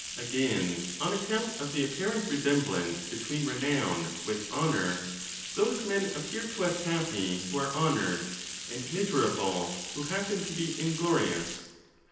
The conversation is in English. Again, on account of the apparent resemblance between renown with honour, those men appear to us happy who are honoured, and miserable who happen to be inglorious.